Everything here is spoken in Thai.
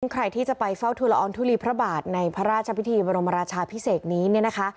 ใครที่จะไปเฝ้าทุลอองทุลีพระบาทในพระราชพิธีบรมราชาพิเศษนี้เนี่ยนะคะ